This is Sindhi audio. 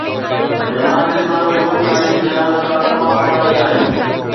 جماعت اسلامي به تاريخي لحاظ کان تمام پراڻي آهي.